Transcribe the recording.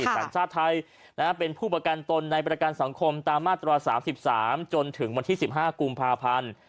สัญชาติไทยเป็นผู้ประกันตนในประกันสังคมตามมาตรา๓๓จนถึงวันที่๑๕กุมภาพันธ์